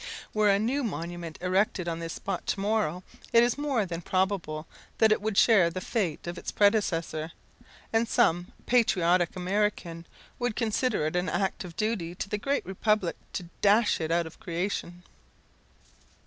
Were a new monument erected on this spot to morrow, it is more than probable that it would share the fate of its predecessor, and some patriotic American would consider it an act of duty to the great Republic to dash it out of creation.